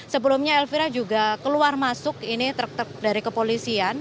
sebelumnya elvira juga keluar masuk ini dari kepolisian